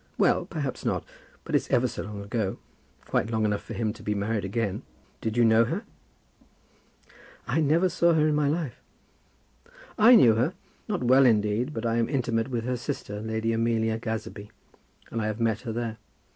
"Well, perhaps not. But it's ever so long ago; quite long enough for him to be married again. Did you know her?" "I never saw her in my life." "I knew her, not well indeed; but I am intimate with her sister, Lady Amelia Gazebee, and I have met her there.